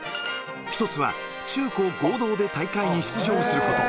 １つは中高合同で大会に出場すること。